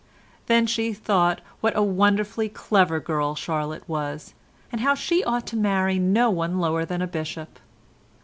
Then she thought what a wonderfully clever girl Charlotte was, and how she ought to marry no one lower than a bishop.